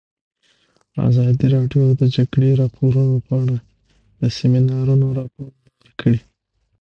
ازادي راډیو د د جګړې راپورونه په اړه د سیمینارونو راپورونه ورکړي.